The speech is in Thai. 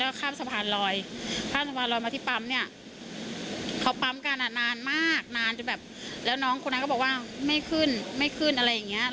แล้วก็ข้ามสะพานลอยข้ามสะพานลอยมาที่ปั๊มเนี่ย